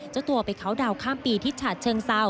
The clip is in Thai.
เจ้าตัวไปเขาดาวนข้ามปีที่ฉาเชิงเซา